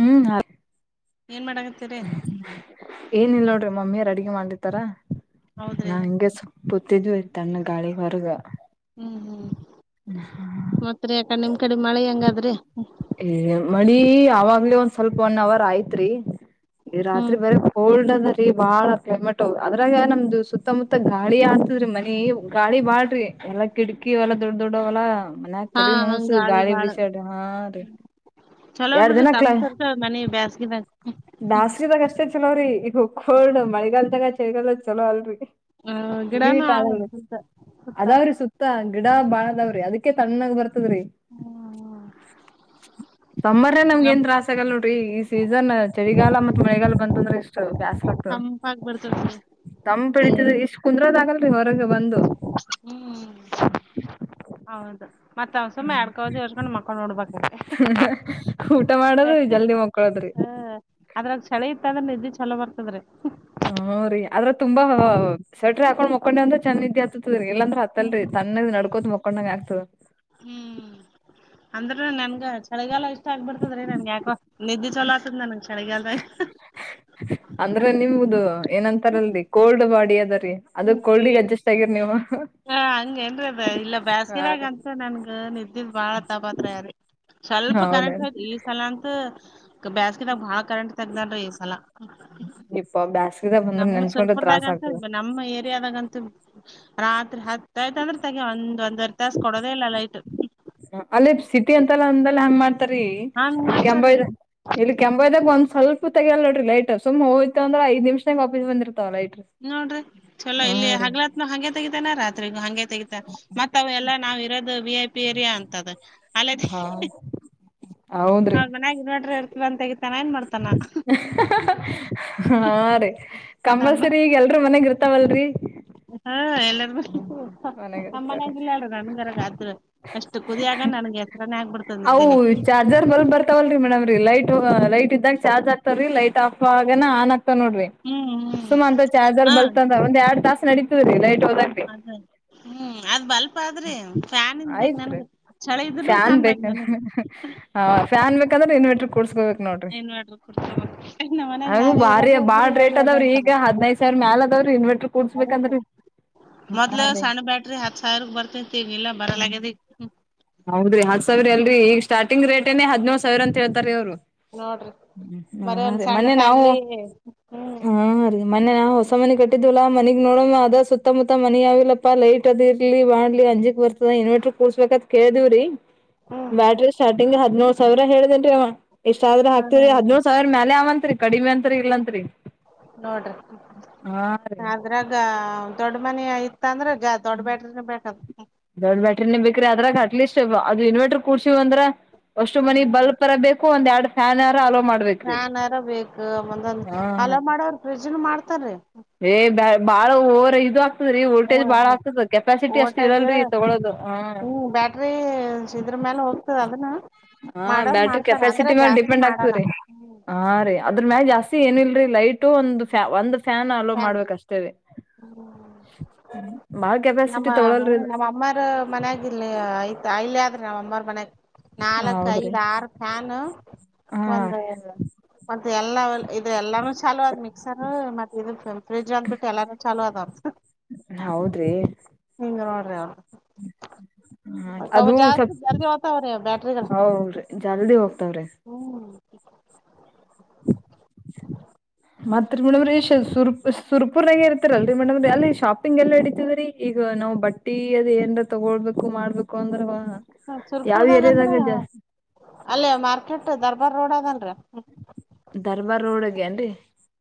ಹ್ಮ್ ಏನ್ ಮಾಡಕತ್ತೀರಿ ಏನಿಲ್ಲ ನೋಡ್ರಿ ಮಮ್ಮಿ ಅಡಿಗೆ ಮಾಡ್ಲತಾರ ಹೌದ್ರಿ ನಾ ಹಂಗೆ ಗೊತಿದ್ವಿ ತಣ್ಣಗೆ ಗಾಳಿ ಹೊರಗ ಹ್ಮ್ ಹ್ಮ್ ಮತ್ತ ಯಾಕ ನಿಮ್ ಕಡೆ ಮಳೆ ಹೆಂಗಾದ್ರೆ ಏ ಮಿ ಅವಾಗ್ಲೇ ಒಂದ್ ಸ್ವಲ್ಪ ಒನ್ ಅವರ್ ಆಯ್ತ್ರಿ ಈ ಹ್ಮ್ ರಾತ್ರಿ ಬರ ಕೋಲ್ಡ್ ಅದ್ರ ಬಾಳ ಪೆಮಟ್ ಅದ್ರಾಗ ನಮ್ದು ಸುತ್ತಮುತ್ತ ಗಾಳಿ ಆತದ್ರೀ ಮ ನೀ ಗಾಳಿ ಬಾಳ್ರಿ ಎಲ್ಲಾ ಕಿಟಕಿ ಅವಲ್ಲ ದೊಡ್ಡ ದೊಡ್ಡ ಅವಲ್ಲಾ ಮನೆಗ ಹಾ ತೇಲಿ ಹಂಗ ನೋಸೋದು ಗಾಳಿ ಬಾಳ ಬಿಸಾಡು ಹಾ ರೀ, ಚಲೋ ಎರಡ್ ಬಿಡ್ರಿ ತಮ್ಮ ಸರ್ ಮನಿ ಬ್ಯಾಸಿಗಿದಗ. ಬ್ಯಾಸಿಗಿದಾಗ ಅಷ್ಟೇ ಚಲೋರೀ ಈಗ ಕೋಲ್ಡ್ ಮಳಿಗಾಲ್ದಾಗ ಚಳಿಗಾಲದಗ ಚಲೋ ಅಲ್ರರಿ. ಹ ಗಿಡಾನು ಹೀಟ್ ಆಗಲ್ ಆವೇನ್ ಸುತ್ತ ಸುತ್ತ ಅದಾವ್ರೆ ಸುತ್ತ. ಗಿಡ ಅವು ಬಾಳದಾವ್ರಿ ಅದಕ್ಕೆ ತಣ್ಣಗ ಬರ್ತದ್ರಿ. ಸಮ್ಮರ್ ನಗ ನಮ್ಗೆ ನಮ್ ಏನ್ ತ್ರಾಸ ಆಗಲ್ಲ ನೋಡ್ರಿ. ಈ ಸೀಸನ್, ಚಳಿಗಾಲ ಮತ್ತ ಮಳೆಗಾಲ ಬಂತು ಅಂದ್ರೆ ಇಷ್ಟು ಬ್ಯಾಸರ ಆಗ್ತದ. ತಂಪಾಗ್ ಬರ್ತದ್ರಿ ತಂಪ ಇಳಿತದ್ರಿಇಷ್ಟ್ ಕುಂದ್ರೋ ಆಗಲ್ರಿ. ಇವಾಗ ಬಂದು, ಹ್ಮ್ ಹೌದು ಮತ್ತ ಅವ್ ಸುಮ್ಮ್ ಎಡ್ಕೋದ್ ಯೋಚ್ಕೊಂಡ್ ಮಕ್ಕೊಂಡ್ ನೋಡ್ಬೇಕ್ರಿ ಹ ಊಟ ಮಾಡೋದ ಬೆಚ್ಚಗ್ ಜಲ್ದಿ ಮಕ್ಕೊಳದ್ರಿ. [inaudible] ಹ ಅದ್ರಾಗ ಚಳಿ ಇತ್ತದ್ರೆ ನಿದ್ದಿ ಚಲೋ ಬರ್ತದರಿ. ಹ ರೀ ಆದ್ರ ತುಂಬಾ ಸೆಟ್ರ ಹಾಕೊಂಡ್ ಮಕೊಂಡಿವಿ ಅಂದ್ರ ಚೆಂದ ನಿದ್ದಿ ಅತ್ತತದ. ದ್ರಿ ಇಲ್ಲಂದ್ರ ಅತ್ತಲ್ರಿ ಹ್ಮ್ ತಣ್ಣಗ ನಡ್ಕೋತ ಮಕೊಂಡಂಗ ಆಗ್ತದ. ಹ್ಮ್. ಅಂದ್ರ ನನ್ಗ ಚಳಿಗಾಲ ಇಷ್ಟ ಆಗ್ಬಿಡ್ತದ್ರೀ. ನನಗ ಯಾಕೋ ನಿದ್ದಿ ಚಲೋ ಆತದ್ ನನ್ಗ್. ಚಳಿಗಾಲ, ಅಂದ್ರೆ ನಿಮದು ಏನಂತಾರಲ್ರಿ ಕೋಲ್ಡ್ ಬಾಡಿ ಅದರಿ. ಅದೇ ಕೋಲ್ಡಗ್ ಅಡ್ಜಸ್ಟ್ ಆಗಿರ ನೀವು. ಹ ಹಂಗ ಏನ್ರರಿ ಅದ ಇಲ್ಲ ಹಾ ಬ್ಯಾಸಿಗಿದಾಗ ರೀ ಅಂತ ನನ್ಗ ನಿದ್ದಿ ಬಾಳ ತಾಪತ್ರಾಯರಿ. ಸ್ವಲ್ಪ ಕರೆಂಟ್ ಹೌದೇನ್ ಹಯತ ಈ ಸಲ ಅಂತ ಬ್ಯಾಸ್ಗಿದಾಗ ಬಾಳ ಕರೆಂಟ್ ತೆಗ್ದನ್ ಈ ಸಲ. [unintelligible] ನಮ್ಮ ನೆನ್ಸ್ಕೊಂಡ್ರ ತ್ರಾಸ್ ಸುರಪುರ್ದಾಗಂತ, ಆಗ್ತದ ನಮ್ಮ ಏರಿಯಾದಾಗಂತ, ತ ರಾತ್ರಿ ಹತ್ತಐತ ಅಂದ್ರೆ ತೆಗೆವ್. ಒಂದ್ಂದ ಅಲ್ಲ ಸಿಟಿ ಅಂತೆಲ್ಲ ಅಂದಲ್ಲ ಹಂಗ ಮಾಡ್ ರಿ ಹಂಗ್ ಇಲ್ಲಿ ಮಾಡ್ತಾರ್ರಿ ಕೆಂಬಾಯಿದ ಇಲ್ಲಿ ಕೆಂಬಾಯಿದ್ಗ್ ಒಂದ ಸ್ವಲ್ಪು ತೆಗೆಲ್ ನೋಡ್ರಿ ಲೈಟ್ ಸುಮ ಹೋಯಿತ್ ಅಂದ್ರ ಐದ್ ನಿಮಿಷ್ದಾಗ ವಾಪಸ್ ಬಂದ್ರಿರ, ನೋಡ್ರಿ ಚೊಲೋ ಇಲ್ಲಿ ರೀ ಹಗ್ಲತ್ನು ಹಗೆ ತೆಗತೇನ ರಾತ್ರಿಗ ಹಂಗೆ ತೆಗತ ಮತ್ ಅವ ಎಲ್ಲ ನಾವ್, ಅದು ವಿ ಐ ಪಿ ಏರಿಯಾ ಅಂತದ. ಅಲ್ಲೇ ಹಾ, ಹೌದ್ರಿ ಅವ್ರ ಮನೆಗಾ ಇನ್ವರ್ಟರ್ ಇರ್ತದಂತ ತೆಗಿತನ. ಹಾ ರೀ. ಕಂಪಲ್ಸರಿ ಈಗ ಎಲ್ರೂ ಮನೆಗಿರ್ತ್ತ ತಾವಲ್ರರಿ, [inaudible] ಎಲ್ಲಾರ ನಮ್ಮ ಮನೆಗ ನಮ್ಮ ಮನೆಗ್ ಇರ್ತಾವ್ರಿ ಇಲ್ಲಲ್ರೀ. ನನಗರ ಆದ್ರು ಅಷ್ಟು ಕುದಿಯಾಗ ನನ್ಗ ಅವು ಚಾರ್ಜರ್ ಬಲ್ಬ್ ಬರ್ತಾವಲ್ರಿ ಮೇಡಮ್ರೀ. ಲೈಟ್ ಲೈಟ್ ಇದ ಇದಾಗ ಚಾರ್ಜ್ ಆಗ್ತವ ರೀ. ಲೈಟ್ ಆಫ್ ಆಗನಾ ಆನ್ ನೋಡ್ರಿ ಹ್ಮ್ ಹ್ಮ್ ಸುಮಾ ಅಂತ ಚಾರ್ಜರ್ ಹಾ ಬಲ್ತ್ ಅಂತಂದ ಎರಡ್ ತಾಸ ನಡೀತವ್ರೀ ಲೈಟ್ ಹೋದ್ರ. ಅದ ಹ್ಮ್ ಅದ್ ಬಲ್ಪ್ ಆದ್ರಿ. ಫ್ಯಾನ್ದ ಬೇಕ್, ಆಯ್ತ್ರಿ ನನ್ಗ್ ಚಳಿ ಇದ್ ಫ್ಯಾನ್ ಬೇಕ, ಹ ಫ್ಯಾನ್ ಬೇಕಂದ್ರೆ ಇನ್ವೆರ್ಟರ್, ಕೂಡ್ಸ್ಕೋಬೇಕ್ ನೋಡ್ರಿ ಇನ್ವರ್ಟರ್ ಕೊಡ್ತಾರ ನಮ್ ಮನ್ಯಾಗ ಅ ನಾವೇ ಬಾರಿ ಇರೋದೇ ಬಾಳ ಇದ್ರಿ ಅಲ್ಲಿ ರೇಟ್ ಅದ ಅದಾವ್ರೀ ಈಗ ಅಂತಾರ ಹದನೈ ಸಾವಿರ ಮ್ಯಾಲದಾವ. ಇನ್ವರ್ಟರ್ ಕೂಡ್ಸಬೇಕೆಂದರಿ. ಮೊದ್ಲು ಸಣ್ಣ ಬ್ಯಾಟ್ರಿ ಹತ್ತು ಸಾವಿರ ಬರ್ತಿತ್ತ. ಈಗ ಇಲ್ಲ್ ಬರಲಗ್ಯದ. ಅಲ್ರಿ ಈಗ ಸಾರ್ಟಿಂಗ್ ರೇಟನೆ ಹದಿನೇಳು ಸಾವಿರ ಅಂತ ಹೇತಾರಿ ಅವರು. ನೋಡ್ರಿ ಹ್ಮ್ ಬರೆ ಹ್ಮ್ ಒಂದ್ ರೀ ಸಣ್ಣ ಮೊನ್ನೆ ನಾವು, ಫ್ಯಾಮ್ಲಿ ಹ್ಮ್ ಹ ರೀ ಮೊನ್ನೆ ನಾವು, ಹೊ ಹೊಸ ಮನೆ ಕಟ್ಟಿದ್ಲ್ಲಾ ಮನೆಗ್ ನೋಡೋ ಅದ ಸುತ್ತ ಮುತ್ತ ಮುತ್ತ ಮನಿ ಅವಾವಿಲ್ಲಪ್ಪಾ ಲೈಟ್ ಅದ ಇಲಿ ಬಾಣ್ಲಿ ಅಂಜಿಕಿ ಬರ್ತದ ಇನ್ನವೆಟ್ರಿ ಕುಡ್ಸಬೇಕಂತ ಕೇಳಿದ್ವಿ ರೀ. ಹ್ಮ್ ಬ್ಯಾಟ್ರಿ ಸ್ಟಾರ್ಟಿಂಗ್ ಹದಿನೇಳು ಸಾವಿರ ಹೇಳ್ದೇನ್ರಿ ಅವ. ಇಷ್ಟಾದ್ರ ಆಕ್ತಿವಿ ಹದಿನೇಳು ಸಾವಿರ ಮೇಲೆ ಆವಂತ್ರಿ. ಕಡಿಮಿ ಅಂತ್ರ ಇಲ್ಲ ಅಂತ್ರಿ. ನೋಡ್ರಿ ಹಾ ರೀ ಅದ್ರಾಗ ದೊಡ್ಮನಿ ಆಯ್ತ್, ಇತ್ತಂದ್ರ ಗ ದೊಡ್ಡ ಬ್ಯಾಟರಿನೆ ಬೇಕ ಅದಕ, ದೊಡ್ ಬೇಕ್ರಿ ಅದ್ರಾಗ ಅಟ್ ಲೀಸ್ಟ್ ಅದು ಇನ್ವರ್ಟರ್ ಕೂಡ್ಸ್ ಅಂದ್ರ ಅಷ್ಟು ಮನಿ ಬಲ್ಬ್ ಪರ ಬೇಕು. ಒಂದ ಎರಡು ಪ್ಯಾನ್. ಪ್ಯಾನ್ ರ ಬೇಕು ಹಾ ಹಲೋ ಮಾಡೋರು ಪ್ರಿಜ್ಜನು ಮಾಡ್ತರಿ. ಹೋ ರ ಇದು. ಆಗ್ತದ್ರೀ ವೋಲ್ಟೇಜ್ ಬಾಳ ಆಗ್ತದ ಕೆಪಾಸಿಟಿ ಅಷ್ಟು ವೋಲ್ಟೇಜ್ ಇರಲ್ರರಿ ತಗೊಳ್ಳೋದು ಹಾ. ಹ್ಮ್ ಬ್ಯಾಟ್ರಿ ಇದ್ರ ಮೇಲೆ ಹೋಗ್ತದೆ ಅದನ್ನ. ಹ ಮಾಡೋರ್ ಬ್ಯಾಟ್ರಿ ಮಾಡ್ತಾರ ಕೆಪಾಸಿಟಿ ಅಂದ್ರೆ ಮೇಲ ಜಾಸ್ತಿ ಡಿಪೆಂಡ್ ಮಾಡಲ್ಲ ಆಗ್ತದ್ರ ಹ್ಮ್ ರೀ ಅದ್ರ. ನ್ ಜಾಸ್ತಿ ಏನಿಲ್ರೀ ಲೈಟ ಒಂದು ಫ್ಯಾ ಒಂದು ಫ್ಯಾನ್ ಅಲೋ ಮಾಡ್ಬೇಕ್ ಅಷ್ಟೇ ರೀ. ಹ್ಮ್. ಬಾಳ ಕೆಪಾಸಿಟಿ ನಮ್ಮ ಹ ತೊಗೊಳಲ್ರಿ ಅದು ನಮ್ಮ ಅಮ್ಮಾರ ಮನಗರ್ಲಿ ಆಯ್ತು. ಇಲ್ಲಿ ಆದ್ರ ನಾವ್ ಅಮ್ಮರ ಮನ್ಯಾಗ ನಾಲ್ಕ್ ಹೌದ್ರಿ ಐದ್ ಆರು ಫ್ಯಾನ್. ಹಾ ಒಂದು. ರೀ ಮತ್ತೆ ಎಲ್ಲಾ ಇ ಎಲ್ಲಾನು ಚಾಲು ಮಿಕ್ಸರ್ ಮತ್ತ ಇ ಫ್ರಿಜ್ ಬಂದ್ ಬಿಟ್ಟು ಎಲ್ಲಾನು. ಚಾಲೂ ಅದ ಅವ್ರ ಹೌದ್ರಿ. [unintelligible] ಹ್ಮ್. ಹ ಅವ್ರ ಅವು ಅದು ಸ್ವಲ್ ಜಾಸ್ತಿ ಜಲ್ದಿ ಹೋತಾವ್ರಿ ಬ್ಯಾಟ್ರಿಗಳ ಹೌದ್ರರಿ ಜಲ್ದಿ ಹೋಗ್ತಾವ್ರಿ. [inaudible] ಹ್ಮ್ [inaudible] ಮತ್ತ್ ರೀ ಮೇಡಂ ರೀ ಸುರಪುರ ದಾಗ ಇರ್ತೀರಲ್ಲರೀ ಮೇಡಂ ರೀ ಅಲ್ಲಿ ಶಾಪಿಂಗ್ ಎಲ್ಲಿ ನಡೀತಾದ್ರಿ ಈಗ ನಾವು. ನಾವು ಬಟ್ಟಿ ಅದ ಏನ್ ತಗೊಳ್ಬೇಕು ಮಾಡ್ಬೇಕು. ಕುಂದ್ರು ಬಾ ಯಾವ್ ಸುರ್ಪುರ್ದಾಗ ಅಂದ್ರ ಎರಿಯದಾಗ ಜಾಸ್ತಿ. ಅಲ್ಲೇ ಮಾರ್ಕೆಟ್ ದರ್ಬಾರ್ ರೋಡ್ ಅದಲ್ರಿ. ದರ್ಬಾರ್ ರೋಡ್ಗೆ ಏನ್ರಿ.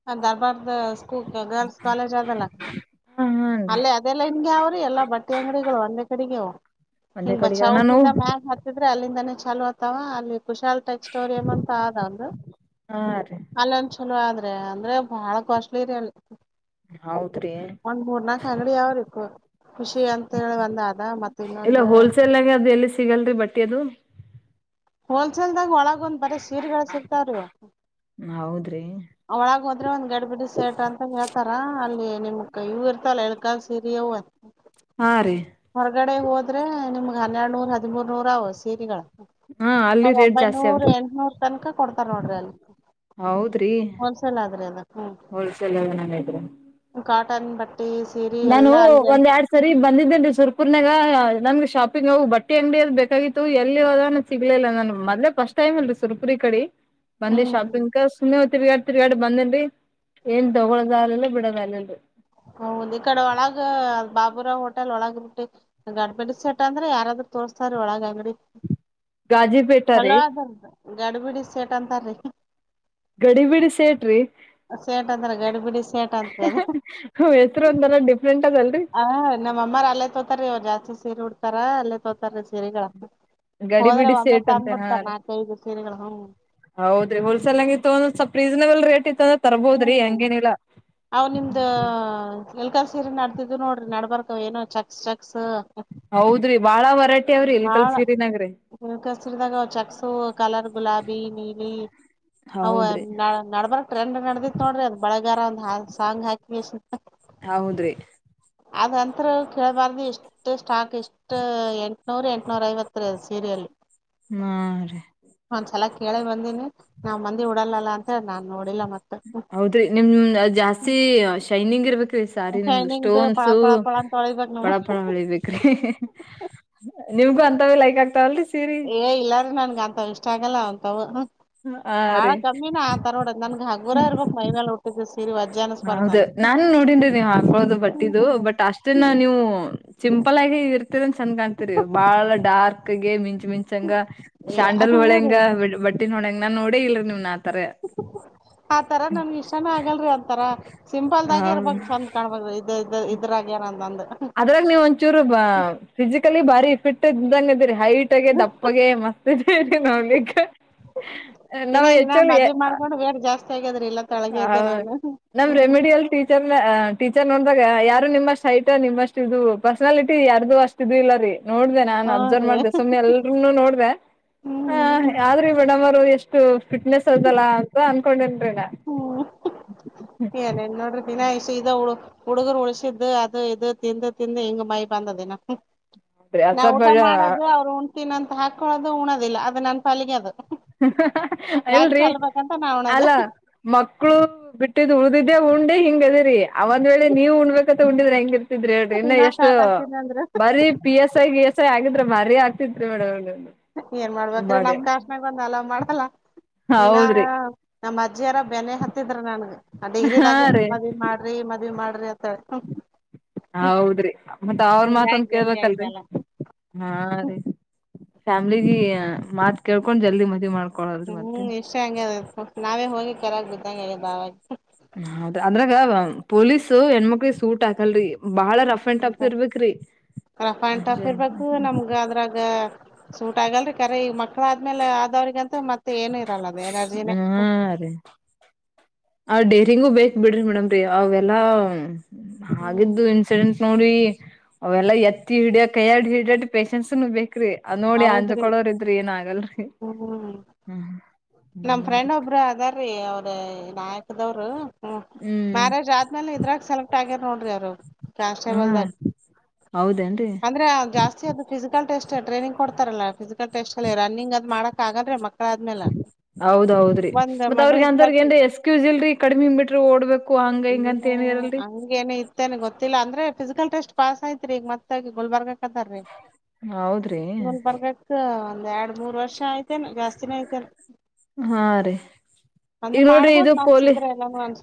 ಹ ದರ್ಬಾರ್ ಸ್ಕೂಲ್ ಗರ್ಲ್ಸ್ ಕಾಲೇಜ್ ಅದಲ್ಲ. ಹಾ ಹಾ ರೀ ಅಲ್ಲೇ ಅದೇ ಲೈನ್ಗೆ ಅವ್ರಿ ಎಲ್ಲಾ ಬಟ್ಟೆ ಅಂಗಡಿಗಳು ಒಂದೇ ಕಡೆಗೆ ಅವು. ಒಂದೇ ನಿಮ್ [inaudible] ಕಡೆಗ ನಾನು ಚಾಕಿಂದ ಮ್ಯಾಗ್ ಹಾತ್ತಿದ್ರೆ ಅಲ್ಲಿಂದಾನೇ ಚಾಲು ಆತ್ತಾವ ಅಲ್ಲಿ. ಕುಶಾಲ್ ಟೆಕ್ಸ್ಟೋರಿಯಂ ಅಂತ ಆದ ಒದು ಹಾ ರೀ ಅಲ್ಲಂದ ಚಲೋ ಆದ. ಅದೇ ಅಂದ್ರೆ ಬಹಳ ಕಾಸ್ಟ್ಲಿ ರೀ ಅಲ್ಲಿ. ಹೌದ್ರೀ ನಕ ಅಂಗಡಿ ಯಾವ್ರ ಖುಷಿ ಅಂತ ಹೇಳಿ ಒಂದ ಅದ ಮತ್ತ ಇಲ್ಲ ಇನ್ನೊಂದು. ಹೋಲ್ಸೇಲ್ಗ ಅದು ಎಲ್ಲಿ ಸಿಗಲ್ರಿ ಬಟ್ಟೆದು. ಹೋಲ್ಸೇಲ್ದಾಗ ಒಳಗ ಒಂದ್ ಬರ ಸೀರೆಗಳ ಸಿಗ್ತಾವ್ರೀ. ಹೌದ್ರಿ ಅವಳಗೆ ಹೋದ್ರೆ ಒಂದ್ ಗಡ್ ಬಿಡ್ ಸೇಟ್ ಅಂತ ಹೇಳ್ತಾರ ಅಲ್ಲಿ ನಿಮ. ಇವು ಇರತಾವಲ್ಲ ಇಲಕಲ್ಲ ಸಿರಿ ಅವು. ಹಾ ರೀ. ಹೊರಗಡೆ ಹೋದ್ರೆ ನಿಮ್ಗ್ ಹನ್ನೆರಡು ನೂರ್ ಹದಿಮೂರ್ ನೂರ ಅವ ಸೀರೆಗಳು. ಹಾ ಅಲ್ಲಿ ಅವ್ರ ರೇಟ್ ಜಾಸ್ತಿ ಒಂಬೈನೂರ್ ಅವ್ರಿ ಎಂಟನೂರ್ ತನಕ ಕೊಡ್ತಾರ್ ನೋಡ್ರಿ ಅಲ್ಲಿ. ಹೌದ್ರಿ ಹೋಲ್ಸೇಲ್ ಆದ್ರೆ ಅದ ಹ್ಮ್. ಹೋಲ್ಸೇಲ್ ನಂಗೈತ್ರಿ ಕಾಟನ್ ಬಟ್ಟಿ ಸೀರಿ ನಾನು ಎಲ್ಲಾ ಅಲ್ಲಿ ಅಲ್ಲಿ ಒಂದ್ ಎರಡ್ ಸರಿ ಬಂದಿದ್ದೇನ್ರಿ ಸುರಪು ಪೂರ್ನಾಗ ನನ್ಗೆ ಶಾಪಿಂಗ್ ಹೋಗ ಬಟ್ಟೆ ಅಂಗಡಿ ಅದು ಬೇಕಾಗಿತ್ತು ಎಲ್ಲಿ ಹದ ಸಿಗ್ಲಿಲ್ಲ ನನ್ಗೆ ಮೊದ್ಲೇ ಫಸ್ಟ್. ಟೈಮ ಅಲ್ರೀ ಸುರಪುರಿ ಕಡೆ. ಬಂದಿ ಹ್ಮ್ ಶಾಪಿಂಗ್ ಕ ಸುಮ್ಮನೆ ತಿರ್ಗಾಡ್ ತಿರ್ಗಾಡ್ ಬಂದಿಲ್ರಿ ಏನ್ ತೊಗೊಳದಲಿಲ್ಲ. [unintelligible] ಹದ್ ಈ ಕಡೆ ಒಳಗ ಬಾಬುರಾವ್ ಹೋಟೆಲ್ ಒಳಗ ರರುಟ್ಟಿ ಗಂಡಪೇಡಿ ಸೆಟ್ ಅಂದ್ರೆ ಯಾರಾದೂ. ತೋರ್ಸ್ತಾರೆ ಒಳಗ ಅಂಗಡಿ. ಗಾಜಿಪೇಟ ರೀ. ಗಡು ಬಿಡಿ ಸೇಟ್ ಅಂತಾರೀ. ಗಡಿ ಬಿಡಿ ಸೇಟ್ರಿ. ಸೇಟ ಅಂದ್ರ ಗಡಿ ಬಿಡಿ ಸೇಟ ಅಂತ. ಹೆಸರು ಒಂಥರ ಡಿಫ್ರೆಂಟ್ ಅದಲ್ರಿ [inaudible] ಹ ನಮ್ಮ ಅಮ್ಮಾರ ಅಲ್ಲೇ ತೋತಾರೀ ಅವ್ರು ಜಾಸ್ತಿ ಸೀರಿ ಉಡ್ತಾರ ಅಲ್ಲೇ ತೋತಾರೀ ಸೀರಿಗಳ. ಗಡಿ ಹೋದ್ರೆ ಬಿಡಿ ಒಮ್ಮೆ ಸೇಟ್ ತಂದ್ಬಿಡ್ತಾರೆ ನಾಲ್ಕೈದು ಸೀರಿಗಳ ಹ್ಮ. ಹೌದ್ರೀ ಹೋಲ್ಸೆಲನ್ಯಾಗ ಇತ ತೊಂದ್ರೆ ಸಪ ರೀಸನೇಬಲ್ ರೇಟ್ ಇತ್ತ. ತರ್ಬೋದ್ರಿ ಹ್ಮ್ ಹಂಗೇನಿಲ್ಲಾ. ಇಲ್ಲಿ ತರಿಸಿರು ನಡ್ತಿದ್ದು ನೋಡ್ರಿ ನಡ್ಬರ್ಕ ಅವ ಏನೋ ಚಕ್ಸ್ ಚಕ್ಸ್. ಹೌದ್ರಿ ಬಾಳ ವರೈಟಿ ಅವ್ರಿ ಇಳಕಲ್ ಸಿರಿನ್ಯಾಗ ರಿ. ಇಳಕಲ್ ಸಿರಿದಾಗ ಚಕ್ಸು ಕಲರ್ ಗುಲಾಬಿ ನೀಲಿ. ಅವ ಹೌದ್ರಿ ನಡ್ಬರಕ್ ಟ್ರೆಂಡ್ ನಡ್ದಿತ್ ನೋಡ್ರಿ ಅಂದ್ ಬಳಗಾರಂದ ಸಾಂಗ್ ಹಾಕ್ಯೇಶಿಂದ. ಹೌದ್ರಿ. ಅದಂತ್ರು ಕೇಳ್ಬಾರ್ದು ಇಷ್ಟ ಸ್ಟಾಕ್ ಇಷ್ಟ ಎಂಟ್ನೂರ್ ಎಂಟ್ನೂರೈವತ್ ರಿ ಅದ ಸೀರಿ ಅಲ್ಲಿ. ನೋಡ್ರಿ. ಒಂದ್ ಸಲಾ ಕೇಳೇ ಬಂದೀನಿ ನಾವ್ ಮಂದಿ ಉಡಲಲ್ಲಾ ಅಂತೇಳಿ ನಾನ್ ನೋಡ್. ಹೌದ್ರಿ ನಿಮ್ ಅ ಜಾಸ್ತಿ ಶೈನಿಂಗ್ ಇರ್ಬೇಕ. ರೀ ಸಾರಿ ನಿಮ್ದು ಶೈನಿಂಗ್ದ ಪಳ ಸ್ಟೋನ್ಸು ಪಳ ಪಳ ಅಂತ ತೊಳಿಬೇಕ್ ನವು ಪಳ ಪಳ ಹೊಳಿಬೇಕ್ರಿ. ನಿಮ್ಗು ಅಂತವೆ ಲೈಕ್ ಆಗ್ತಾವಲ್ರಿ. ಸೀರಿ ಏ ಇಲ್ಲಾರಿ ನನ್ಗ ಅಂತವ್ ಇಷ್ಟಾಗಲ್ಲ ಅಂತಾವು. ಹಾ ಬಾಳ ರೀ ಗಮ್ಮಿನ ಆತರ ನೋಡ ನನ್ಗ್ ಹಗುರ ಇರ್ಬಕ್ ಮೈಮ್ಯಾಲ್ ಉಟ್ಟಿದ್ದ ದಿವ್ಸ. ಹೌದ ನಾನು ನೋಡಿನಿ ರಿ ನೀವ್ ಹಾಕೊಳ್ಳೋದು ಬಟ್ಟಿದು ಬಟ್ ಅಷ್ಟೇನ ನೀವು ಸಿಂಪಲ್ ಆಗಿ. ಇರ್ತಿರಿನ್ ಚಂದ್ ಕಾಣ್ತೀರಿ ಬಾಳ್ ಡಾರ್ಕ್. ಕಗೆ ಮಿಂಚ್ ಮಿಂಚಂಗ ಏ ಶಾಂಡಲ್ ಹೂ ಹೊಳೆಂಗ ರೀ ಬಟ್ಟಿನ ಹೊಳೆಂಗ ನಾ ನೋಡೇ ಇಲ್ರಿ ನಿಮನ್. ತರೆ. ತರಾ ನನಗ್ ಇಷ್ಟಾನ ಆಗಲ್ರರಿ ಒಂತರ ಸಿಂಪಲ್ದಾಗೆ ಹೌದು ಇರಬಕ್ ಚಂದ್ ಕಾನ್ಬಕ್. ಇ ಇದ್ರಾಗೆನದಂದ. ಅದ್ರಾಗ ನೀವ್ ಒಂಚೂರು ಬ ಫಿಸಿಕಲಿ ಬಾರಿ ಫಿಟ್ ಇದ್ದಂಗ ಅದಿರಿ. ಹೈಟಗೆ ದಪ್ಪಗೆ ಮಸ್ತ ಇದೀರಿ ನೋಡ್ಲಿಕ್ಕ. ಇನ್ನ ನಾವ್ ಇನ್ನ ಎಚ್ಚಾಗ್ಲು. ಮದ್ವಿ ಮಾಡ್ಕೊಂಡ್ ಜಾಸ್ತಿ ಆಗ್ಯದ್ರಿ ಇಲ್ಲ ತೆಳ್ಳಗೆ ಇದ್ದೆ ಹೌಅ ನಾನು ನಮ್ ರೆಮಿಡಯಲ್ ಟೀಚರ್ ನ ಟೀ. ನೋಡದಾಗ ಯಾರು ನಿಮ್ಮಷ್ಟ್ ಹೈಟ್ ನಿಮ್ಮಷ್ಟು ಇದು ಪರ್ಸನಾಲಿಟಿ ಯಾರ್ದು ಅಷ್ಟ ಇದು ಇಲ್ಲಾ ರೀ. ನೋಡ್ದೆ ನಾನ್ ಅಬ್ಸರ್ವ್ ಹೂನ್ರಿ ಮಾಡ್ದೆ ಸುಮ್ನೆ ಎಲ್ರೂನು ನೋಡ್ದೆ ಹ್ಮ್ ಆದ್ರೂ ಈ ಮೇಡಂಮಾ. ಎಷ್ಟು ಫಿಟ್ನೆಸ್ ಅದಲ್ಲ ಅಂತ ಅನ್ಕೊಂಡೆನ್ರಿನಾ. ಹ್ಮ್ ಏನೇನ್ ನೋಡ್ರಿ ದಿನಾಯಷು ಇದ ಹುಳುಕ. ಹುಡಗರ ಉಳಸಿದ್ದ್ ಅದು ಇದು ತಿಂದು ತಿಂದು ಹಿಂಗ ಮೈ ಬಂದದಿನ. ನಾ ಊಟಾ ಅಸಭ್ಯ ಮಾಡೋದು ಅವ್ರು ಉಣ್ತೀನ ಅಂತ ಹಾಕಳದು ಉಣೋದಿಲ್ಲ ಅದು ನನ್ ಪಾಲಿಗೆ ಅದು. ಯಾಕ್ ಇಲ್ರಿ ಚೆಲ್ಬೇಕಂತ ನಾ ಉಣದು ಅಲ್ಲಾ. ಮಕ್ಳು ಬಿಟ್ಟಿದ್ದು ಉಳ್ದಿದ್ದೆ ಉಂಡ್ದೆ ಹಿಂಗ ಅದಿರಿ ಅವ ಒಂದ್ ವೇಳೆ ನೀವ್ ಉಣ್ಬೇಕ. ತೆ ಉಂಡಿದ್ರೆ ಹೆಂಗ ಇರ್ತಿದ್ರಿ ಹೇಳ್ರಿ ಇನ್ನ ಎಷ್ಟ ಫ್ಯಾಟ್ ಆಗ್ತೀನಿ ಅಂದ್ರ ಬಾರಿ P S I V S I ಆಗಿದ್ರ. ಬಾರಿ ಆಗ್ತಿತ್ ರಿ ಮೇಡಂರಿ ನಿಮ್ದ. ಏನ್ ಮಾಡ್ಬೇಕ್ರಿ ನಮ್ ಕ್ಯಾಸ್ಟನ್ಯಾಗ್ ಒಂದ್ ಅಲ್ಲೋವ ಮಾಡಲ್ಲಾ. ಇನ್ನ ಹೌದ್ರಿ ನಮ್ಮ ಅಜ್ಜಿಯಾರ ಬೆನೆ ಹತ್. ದ್ರಿ ನನ್ಗ ಆ ಹಾ ಡಿಗ್ರಿದಾಗೆ ರೀ ಮದ್ವಿ ಮಾಡ್ರಿ ಮದ್ವಿ ಮಾಡ್ರಿ ಅತ ಹೇಳಿ. ಹೌದ್ರಿ ಮತ್ತ ಅವ್ರ ಹಿಂಗಾಗಿ ಮಾತೊಂದ ಜಲ್ದಿ ಕೇಳ್ಬೇಕಲ್ರಿ ಆಯ್ತಲ್ಲ. ಹಾ ರೀ. ಫ್ಯಾಮ್ಲಿಗಿ ಮಾತ್ ಕೇಳ್ಕೊಂಡ್ ಜಲ್ದಿ ಮದ್ವಿ ಮಾಡ್ಕೊಂಡ. ಹ್ಮ್ ಇಷ್ಟ ಹಂಗೆದ ನಾವೇ ಹೋಗಿ ಕೆರೆಗ ಬಿದ್ದಂಗ ಆಗ್ಯದ ಬಾವ್ಯಾಗ. ಹೌದ ಅದ್ರಾಗ ಪೊಲೀಸ ಹೆಣ್ಮಕ್ಳಿಗೆ ಸೂಟ್ ಆಗಲ್ರಿ. ರಫ್ಯಾನ್ ಅಜ ಟಫ್ ಇರ್ಬೇಕು ಹ್ಮ ನಮ್ಗ ಅದ್ರಾಗ. ಸೂಟ್ ಆಗಲ್ರರಿ ಕರೇ ಈಗ ಮಕ್ಳ ಆದ್ಮೇಲೆ ಆದವ್ರಿಗಂತ ಮತ್ತೆ ಏನ. ೇರಜನ ಹ್ಮ ಹಾ [inaudible] ರೀ ಆ ಡೇರಿಂಗೂ ಬೇಕ್ ಬಿಡ್ರಿ ಮೇಡಮ ರಿ ಅವೆಲ್ಲಾ. ಆಗಿದ್ದು ಹ್ಮ್ ಇನ್ಸಿಡೆಂಟ್ ನೋಡಿ. ಅವೆಲ್ಲ ಎತ್ತಿ ಹಿಡೋ ಕೈಯಾಡಿ ಹಿಡೊ ಅಷ್ಟ ಪೇಷನ್ಸ್ನು ಬೇಕ. ಕ್ರಿ ಅದ್ ನೋಡಿ ಅಂಜ್ ಹೌದ್ರಿ ಕೊಳೋರಿದ್ರಿ ಏನ್ ಆಗಲ್ರರಿ ಹ್ಮ್ ಹ್ಮ್. ನಮ್ ಹ್ಮ ರೀ ಫ್ರೆಂಡ್ ಒಬ್ಬರು ಅದಾದ ರಿ ಅವ್ರ ನಾಯಕದೋವ್ರು ಹ್ಮ ಹ್ಮ್ ಮ್ಯಾರೇಜ್ ಆದ್ಮೇಲೆ ಇದ್ರಾಗ್ ಸಲ್ ಆಗ ನೋಡ್ರಿ ಅವ್ರರು ಹಾ ಕ್ಯಾನ್ಸ್ಟೇಬಲ್ದಾಗ ಹೌದೇನ್ರಿ ಅಂದ್ರೆ ಜಾಸ್ತಿ ಅದು ಫಿಸಿಕಲ್ ಟೆಸ್ಟ್ ಟ್ರೈನಿಂಗ್ ಕೊಡ್ತಾರಲ್ಲ ಫಿಸಿಕಲ್ ಟೆಸ್ಟ್ ಅಲ್ಲಿ ರನ್ನಿಂಗ್ ಅ ಮಾಡಕಕ್ಗಲ್ ಮಕ್ಕಳಾದ ಆದ್ಮೇಲೆ ಹೌದೌದ್ರಿ ಒಂದ್ ಮತ್ ಮಗಳ ಅವ್ರಿ ಅಂತವ್ರಗ ಇದ್ಲಾಕಿ ಏನ್ ಎಕ್ಸ್ಕ್ಯೂಸ್ ಇಲ್ರರಿ ಕಡಿಮಿ ಮೀಟ್ರಿ ಓಡ್ಬೇಕು ಹಂಗ ಹಿಂಗ ಅಂತಿ ಹ ಹಂಗೇನ ಇತ್ತೇನೆ ಗೊತ್ತಿಲ್ಲ ಅಂದ್ರೆ ಫಿಸಿಕಲ್ ಟೆಸ್ಟ್ ಪಾಸ್ ಐತ್ರಿ ಈಗ ಮತ್ತ ಗುಲ್ಬಾರ್ಗ ಹೌದ್ರಿ ಇನ್ ಬರ್ಗಕ್ ಒಂದ್ ಎರಡ್ ಮೂರ್ ವರ್ಷ ಆಐ್ತೆೇನ್ ಜಾಸ್ತಿನ ಐ್ತೆೇನ್ ಹಾ ರೀ ಅಂದ್ರ ಈಗ ನೋಡ್ರಿ ಮಾಡ್ಬೋದ ಇದು ಪೋಲಿ ಮನ್ಸಿದ್ರೆ ಎಲ್ಲಾನ ಅನ್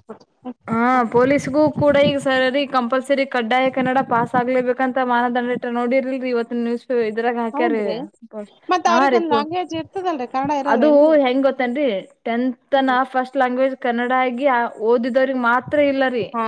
ಹಾ ಪೊಲೀಸ್ಗೂ ಕೂಡ ಈಗ ಸರಿ ಕಂಪಲ್ಸರಿ ಕಡ್ಡಾಯ ಕನ್ನಡ ಪಾಸ್ ಆಗ್ಲೇಬೇಕಂತ ಮಾನದಂಡ ಇಟ್ಟಾರಿ ನೋಡಿರ್ಲಲ್ರಿ ಇವತ್ತು ನ್ಯೂಸ್ ಇದ್ರಾಗ ಹಾಕ್ಯಾರೀೋ ಹೌದ್ರಿ ಮತ್ ಹಾ ಅವ್ರಿಗ್ ರೀ ಒಂದ್ ಪೋ ಲ್ಯಾಂಗ್ವೇಜ್ ಇರ್ತದಲ್ರಿ ಕನ್ನಡ ಇರಲ್ಲ ಅದು ಏನ್ರಿ ಹೆಂಗ ಗೊತ್ತೇನ್ರಿ ಟೆಂತ್ನ ಹ್ಮ್ ಫಸ್ಟ್ ಲಾಂಗ್ವೇಜ್ ಕನ್ನಡ ಆಗಿ ಓದಿದ್ರಿಗೆ ಮಾತ್ರ ಇಲ್ಲ ರೀ ಹಾ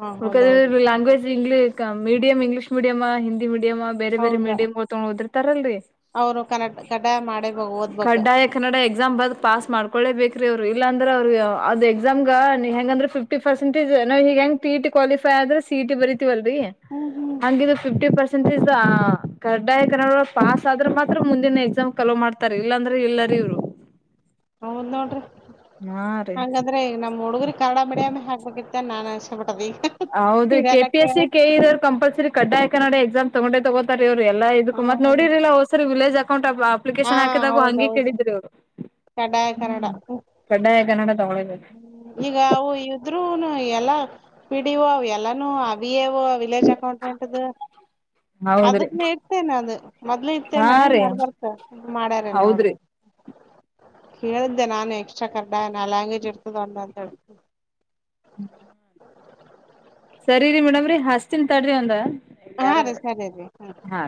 ಹಾ ಉಳ್ಕ ಹೌದೌದು ಹ್ಮ್ language English medium English medium Hindi medium ಬೇರೆ ಬೇರೆ ಹೌದಾ ಮೀಡಮ್ ತಗೊಂಡ್ ಓದಿತಾರಲ್ರಿ ಅವ್ರು ಕನ್ನಡ ಕಡ್ಡಾಯ ಮಾಡೇಬೇಕ ಓದ್ಬೇಕ ಕಡ್ಡಾಯ ಕನ್ನಡ ಎಕ್ಸಾಮ್ ಬ ಪಾಸ್ ಮಾಡ್ಕೊೊಳ್ಳೇ ಬೇಕ್ರೀ ಅವ್ರು ಇಲ್ಲಾಂದ್ರೆ ಅವ್ರ ಅ ಎಕ್ಸಾಮ್ಗ ನೀ ಹೆಂಗಂದ್ರೆ ಫಿಫ್ಟಿ ಪರ್ಸೆಂಟಜ್ ನ ಹಗಂಗ ಟಿ ಇ ಟಿ ಕ್ವಾಲಿಫ ಆದ್ರ ಸಿ ಇ ಟಿ ಬರೀತೀವಿ ತಿ ಅಲ್ರಿ ಹ್ಮ್ ಹ್ಮ್ ಹಂಗೆ ಇದು ಫಿಫ್ಟಿ ಪರ್ಸೆಂಟ್ ಕಡ್ಡಾಯ ಕನ್ನಡ ಪಾಸ್ ಆದ್ರೆ ಮಾತ್ರ ಮುಂದಿನ ಎಕ್ಸಾಮ್ ಚಲೋ ಮಾಡ್ತಾರೆ ಇಲ್ಲಾಂದ್ರೆ ಇಲ್ಲರಿ ಇವ್ರು ಹೌದ್ ನೋಡ್ರಿ ಹಾ ರೀ ಹಂಗಾದ್ರೆ ಈಗ ನಮ್ ಹುಡುಗ್ರ ಕನ್ನಡ ಮೀಡಿಯಮ ಹಾಕ್ಬೇಕಿತ್ತ ನಾನ ಹೌದ್ರಿ K P S C K ಇರೋರು ಕಂಪಲ್ಸರಿ ಕಡ್ಡಾಯ ಕನ್ನಡ ಎಕ್ಸಾಮ್ ತಗೊಂಡೆ ತಗೋತರಿ ಅವ್ರು ಎಲ್ಲ ಇದಕ್ಕ ಹ್ಮ್ ಮತ್ ನೋಡಿರಿಲಿಲ್ಲ ಹ ಹೊಸರಿ ವಿಲೇಜ್ ಅಕೌಂಟ್ ಅಪ್ಲಿಕೇಶನ್ ಹಾಕಿದಾಗು ಹಂಗಿ ಕೇಳಿದ್ರಿ ಅವ್ರು ಕಡಾಯ ಕನ್ನಡ ಕಡ್ಡಾಯ ಕನ್ನಡ ತಗೊಳಬೇಕು ಈಗ ಅವು ಇದ್ರುನು ಎಲ್ಲ ಪಿಡಿಒ ಅವ ಎಲ್ಲಾನು ಎ ವಿಲೇಜ್ ಅಕೌಂಟೆಂಟ್ ಹೌದ್ರಿ ಅದಕ್ನ ಇರ್ತೇನೆ ಅದು ಮೊದ್ಲು ಹಾ ಇತೇನೆ ರೀ ನಡ್ಬರ್ತ ಮಾಡ್ಯಾರೆನ್ ಹೌದ್ರಿ ನೋಡ್ರಿ. ಕೇಳಿದ್ದೆ ನಾನೆ ಎಕ್ಸ್ಟ್ರಾ ಕರ್ಡ್ಡನ ಲ್ಯಾಂಗ್ವೇಜ್ ಇರ್ ತುದ್ ಅನ್ನ್ ಅಂತೇಳಿ. ಸರಿ ರಿ ಮೇಡಮ್ರರಿ ಹಸ್ತನ್ ತಾಡ್ರಿ ಒಂದ ಹಾ ಯಾರ ರೀ ಸರಿ ರೀ ಹ್ಮ ಹಾ